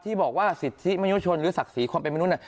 บอกว่าสิทธิมนุยชนหรือศักดิ์ศรีความเป็นมนุษย์